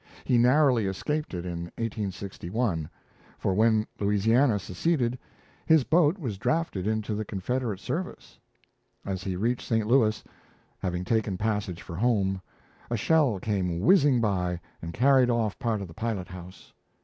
He narrowly escaped it in 1861, for when Louisiana seceded, his boat was drafted into the Confederate service. As he reached St. Louis, having taken passage for home, a shell came whizzing by and carried off part of the pilot house.